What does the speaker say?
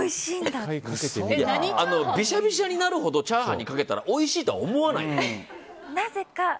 びしゃびしゃになるほどチャーハンにかけたらおいしいとは思わない。